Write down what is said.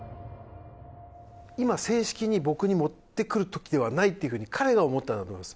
今正式に僕に持ってくる時ではないっていう風に彼が思ったんだと思います。